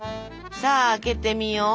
さあ開けてみよう。